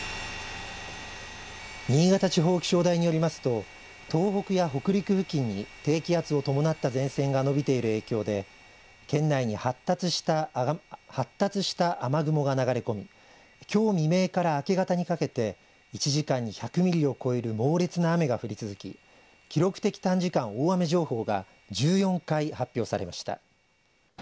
新潟地方気象台によりますと東北や北陸付近に低気圧を伴った前線が延びている影響で県内に発達した雨雲が流れ込みきょう未明から明け方にかけて１時間に１００ミリを超える猛烈な雨が降り続き記録的短時間大雨情報が１４回、発表されました。